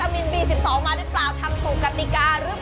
โอ้โฮยังได้หรือยังยังไม่ได้ค่ะโอ้โฮยังได้หรือยัง